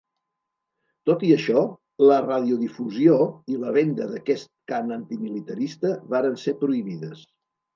Tot i això, la radiodifusió i la venda d'aquest cant antimilitarista varen ser prohibides.